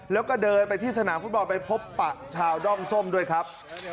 แล้วก็เดินไปที่สนามฟุตบอลไปพบปะชาวด้อมส้มด้วยครับ